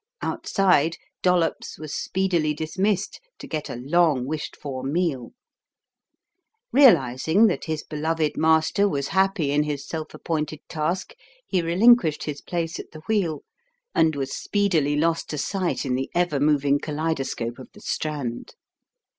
Outside, Dollops was speedily dismissed to get a long wished for meal. Realizing that his beloved master was happy in his self appointed task, he relinquished his place at the wheel, and was speedily lost to sight in the ever moving kaleidoscope of the Strand.